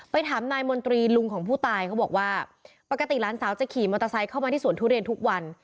ถามนายมนตรีลุงของผู้ตายเขาบอกว่าปกติหลานสาวจะขี่มอเตอร์ไซค์เข้ามาที่สวนทุเรียนทุกวัน